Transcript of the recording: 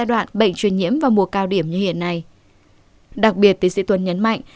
đặc biệt thị sĩ tuấn nhấn mạnh